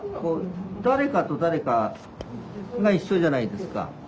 誰かと誰かが一緒じゃないですか。